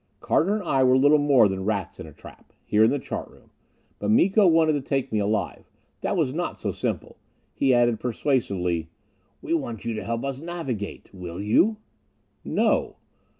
Carter and I were little more than rats in a trap, here in the chart room. But Miko wanted to take me alive: that was not so simple. He added persuasively: "We want you to help us navigate. Will you?" "No."